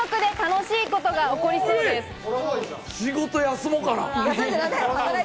仕事休もうかな。